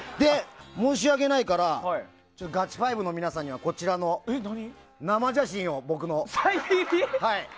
申し訳ないからガチファイブの皆さんにはこちらの生写真を、僕の。